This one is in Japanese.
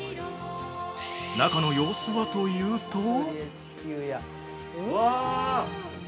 中の様子はというと◆うわ。